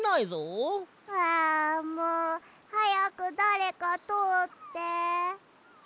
あもうはやくだれかとおって。